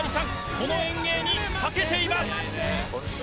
この遠泳に懸けています！